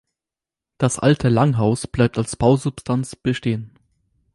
Das alte Langhaus bleibt als Bausubstanz bestehen.